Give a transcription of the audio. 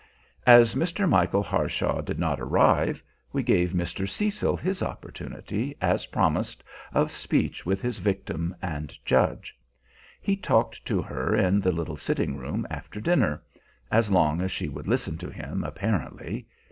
As Mr. Michael Harshaw did not arrive, we gave Mr. Cecil his opportunity, as promised, of speech with his victim and judge. He talked to her in the little sitting room after dinner as long as she would listen to him, apparently.